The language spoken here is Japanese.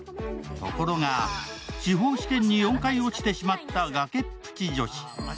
ところが司法試験に４回落ちてしまった崖っぷち女子。